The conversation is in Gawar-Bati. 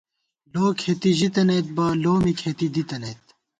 لو کھېتی زی ژِتَنَئیت بہ ، لو می کھېتی دِی تنَئیت